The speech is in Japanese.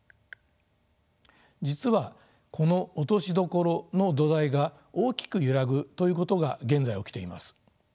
実はこの落としどころの土台が大きく揺らぐということが現在起きています。